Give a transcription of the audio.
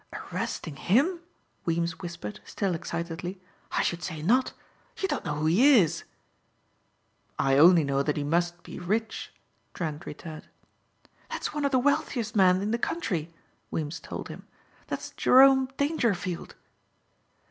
"Arresting him?" Weems whispered, still excitedly, "I should say not. You don't know who he is." "I only know that he must be rich," Trent returned. "That's one of the wealthiest men in the country," Weems told him. "That's Jerome Dangerfield."